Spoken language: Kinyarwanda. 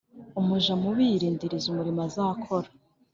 umuja mubi yirindiriza umurimo azakora